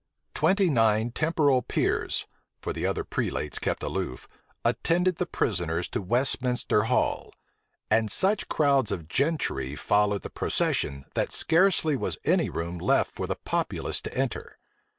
Twenty nine temporal peers (for the other prelates kept aloof) attended the prisoners to Westminster Hall; and such crowds of gentry followed the procession, that scarcely was any room left for the populace to enter.